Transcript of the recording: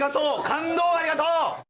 感動をありがとう！